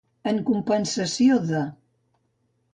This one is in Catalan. En compensació de.